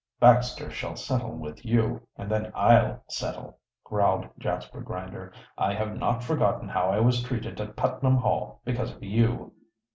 "Baxter shall settle with you, and then I'll settle," growled Jasper Grinder. "I have not forgotten how I was treated at Putnam Hall because of you."